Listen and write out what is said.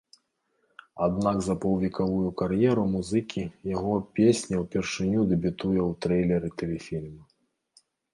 Аднак за паўвекавую кар'еру музыкі яго песня ўпершыню дэбютуе ў трэйлеры тэлефільма.